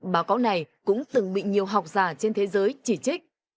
báo cáo này cũng từng bị nhiều học giả trên thế giới chỉ trích